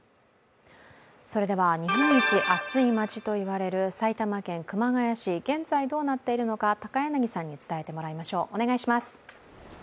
それでは日本一暑い街と言われる埼玉県熊谷市、現在どうなっているのか高柳さんに伝えてもらいましょう。